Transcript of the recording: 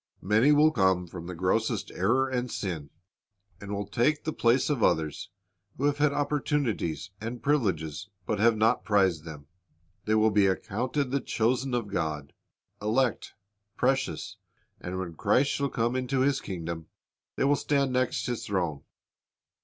Many will come from the grossest error and sin, and will take the place of others who have had opportunities and privileges but have not prized them. They will be accounted the chosen of God, elect, precious; and when Christ shall come into His kingdom, they will stand next His throne.